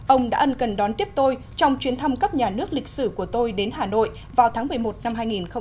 ông đã ân cần đón tiếp tôi trong chuyến thăm cấp nhà nước lịch sử của tôi đến hà nội vào tháng một mươi một năm hai nghìn một mươi tám